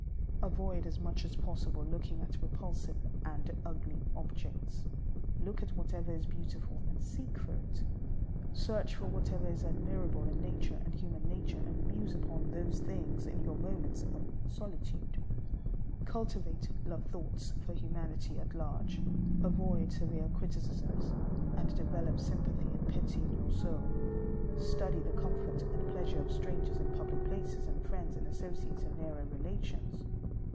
Avoid as much as possible looking at repulsive and ugly objects. Look at whatever is beautiful and seek for it. Search for whatever is admirable in nature and human nature, and muse upon those things in your moments of solitude. Cultivate love thoughts for humanity at large. Avoid severe criticisms, and develop sympathy and pity in your soul. Study the comfort and pleasure of strangers in public places, and friends and associates in nearer relations.